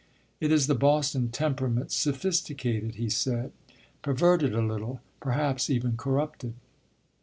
"It is the Boston temperament sophisticated," he said; "perverted a little perhaps even corrupted.